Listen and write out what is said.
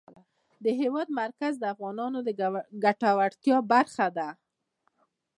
د هېواد مرکز د افغانانو د ګټورتیا برخه ده.